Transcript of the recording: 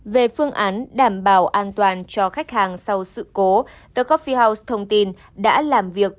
về phương án đảm bảo an toàn cho khách hàng sau sự cố the coffel house thông tin đã làm việc